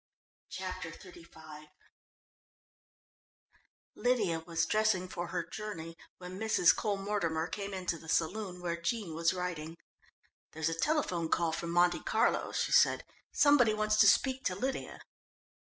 Chapter XXXV Lydia was dressing for her journey when Mrs. Cole Mortimer came into the saloon where Jean was writing. "There's a telephone call from Monte Carlo," she said. "Somebody wants to speak to Lydia."